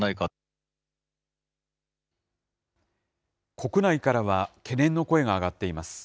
国内からは懸念の声が上がっています。